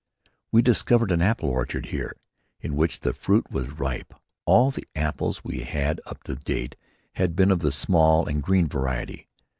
We discovered an apple orchard here, in which the fruit was ripe. All the apples we had had up to date had been of the small and green variety.